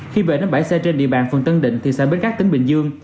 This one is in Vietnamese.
khi bệnh áp bãi xe trên địa bàn phường tân định thị xã bến cát tỉnh bình dương